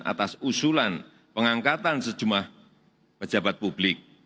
atas usaha penyelenggaraan pemilu yang akan datang